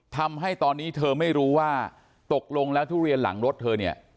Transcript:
ทำให้ตอนนี้เธอไม่รู้ว่าตกลงแล้วทุเรียนหลังรถเธอเนี่ย